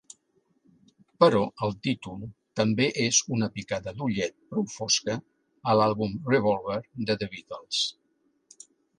Però el títol també és una picada d'ullet prou fosca a l'àlbum "Revolver" de The Beatles.